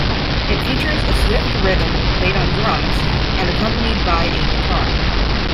It features a swift rhythm played on drums and accompanied by a guitar.